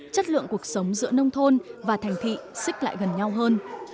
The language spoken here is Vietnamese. chất lượng cuộc sống giữa nông thôn và thành thị xích lại gần nhau hơn